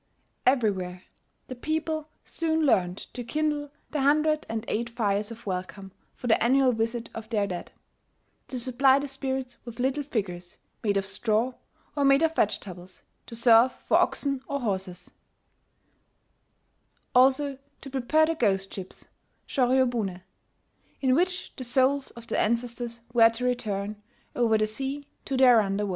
Everywhere the people soon learned to kindle the hundred and eight fires of welcome for the annual visit of their dead, to supply the spirits with little figures made of straw, or made out of vegetables, to serve for oxen or horses,* also to prepare the ghost ships (shoryobune), in which the souls of the ancestors were to return, over the sea, to their under world.